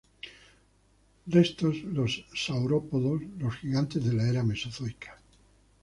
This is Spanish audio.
Restos los saurópodos, los gigantes de la era Mesozoica.